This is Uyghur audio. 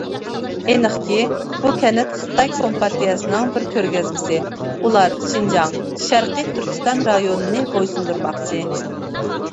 ئېنىقكى، بۇ كەنت خىتاي كومپارتىيەسىنىڭ بىر كۆرگەزمىسى، ئۇلار شىنجاڭ (شەرقىي تۈركىستان) رايونىنى بويسۇندۇرماقچى.